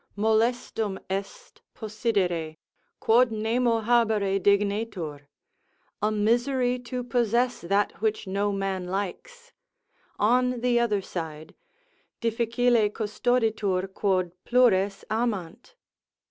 Molestum est possidere, quod nemo habere dignetur, a misery to possess that which no man likes: on the other side, Difficile custoditur quod plures amant.